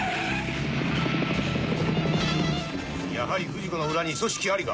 やはり不二子の裏に組織ありか。